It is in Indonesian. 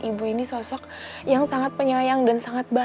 ibu ini sosok yang sangat penyayang dan sangat baik